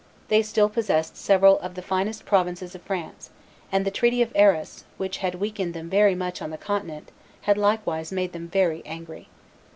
They still possessed several of the finest provinces of France; and the treaty of Arras, which had weakened them very much on the Continent, had likewise made them very angry.